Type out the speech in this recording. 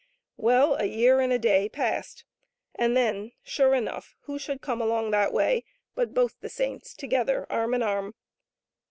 Well, a year and a day passed, and then, sure enough, who should come along that way but both the saints together, arm in arm.